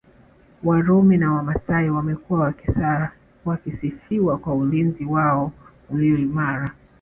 Warumi na Wamasai wamekuwa wakisifiwa kwa ulinzi wao ulio imara